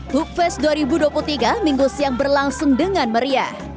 hukfest dua ribu dua puluh tiga minggu siang berlangsung dengan meriah